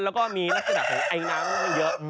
แล้วก็มีนักสนับใหญ่น้ำเยอะ